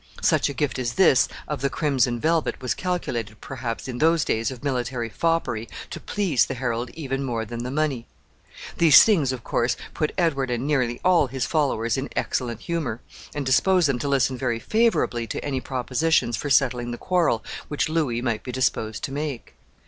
Such a gift as this of the crimson velvet was calculated, perhaps, in those days of military foppery, to please the herald even more than the money. These things, of course, put Edward and nearly all his followers in excellent humor, and disposed them to listen very favorably to any propositions for settling the quarrel which Louis might be disposed to make.